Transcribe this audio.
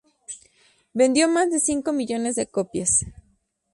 Vendió más de cinco millones de copias.